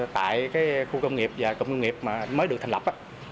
tại khu công nghiệp và công nghiệp mới được thành lập